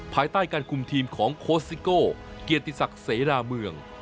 ภายใต้การคุมทีมของโค้ชซิโก้เกียรติศักดิ์เสนาเมือง